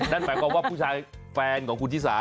นั่นหมายความว่าผู้ชายแฟนของคุณชิสา